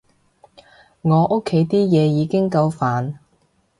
我屋企啲嘢已經夠煩